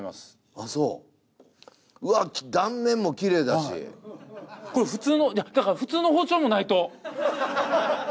あっそううわっ断面もキレイだしはいこれ普通のだから普通の包丁もないと・ハハハ